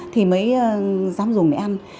thì mới dám dùng để ăn